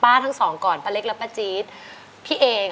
อยากจะบอกว่าขอบพระคุณมากเลยที่ช่วยเหลือเนี่ยขอให้ได้ล้านเลยนะ